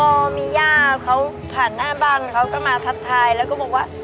พอมีย่าเขาผ่านหน้าบ้านเขาก็มาทักทายแล้วก็บอกว่า